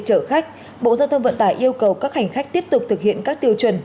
chở khách bộ giao thông vận tải yêu cầu các hành khách tiếp tục thực hiện các tiêu chuẩn